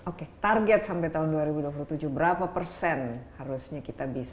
oke target sampai tahun dua ribu dua puluh tujuh berapa persen harusnya kita bisa